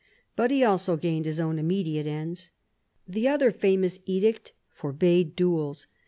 But he also gained his own immediate ends. The other famous edict forbade duels.